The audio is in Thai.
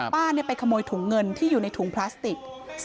ไปขโมยถุงเงินที่อยู่ในถุงพลาสติก